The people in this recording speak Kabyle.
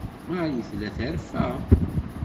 Marie tella terfa.